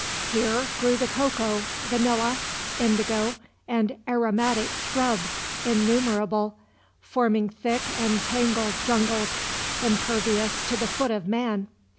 Here grew the cocoa, vanilla, indigo and aromatic shrubs innumerable, forming thick and tangled jungles, impervious to the foot of man.